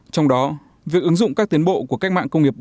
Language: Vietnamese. trong đó việc ứng dụng các tiến bộ của cách mạng công nghiệp bốn